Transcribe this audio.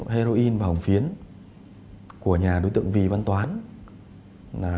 heroin và hồng phiến của nhà đối tượng vì văn toán